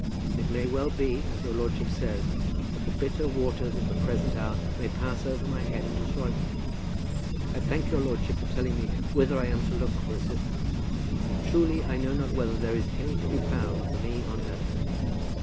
It may well be, as your lordship says, that the bitter waters of the present hour may pass over my head and destroy me. I thank your lordship for telling me whither I am to look for assistance. Truly I know not whether there is any to be found for me on earth.